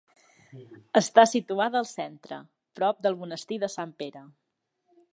Està situada al centre, prop del monestir de Sant Pere.